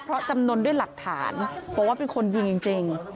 เพราะจำนวนด้วยหลักฐานบอกว่าเป็นคนยิงจริง